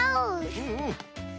うんうん。